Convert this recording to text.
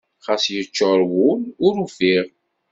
Xas yeččuṛ wul ur ufiɣ.